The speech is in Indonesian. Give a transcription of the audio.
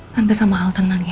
tante sama hal tenang ya